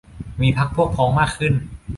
มีพรรคพวกพ้องมากขึ้น